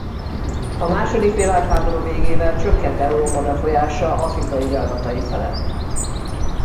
A második világháború végével csökkent Európa befolyása afrikai gyarmatai felett.